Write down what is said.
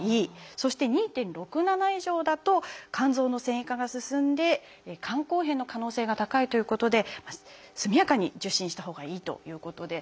そして２．６７以上だと肝臓の線維化が進んで肝硬変の可能性が高いということで速やかに受診したほうがいいということで。